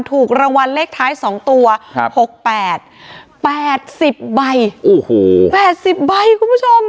ถูกรางวัลเลขท้าย๒ตัว๖๘๘๐ใบโอ้โห๘๐ใบคุณผู้ชม